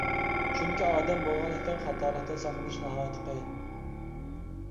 چۈنكى ئادەم بولغان ئىكەن خاتالىقتىن ساقلىنىش ناھايىتى قىيىن.